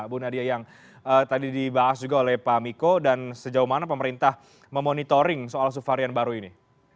bu nadia yang tadi dibahas juga oleh pak miko dan sejauh mana pemerintah memonitoring soal subvarian baru ini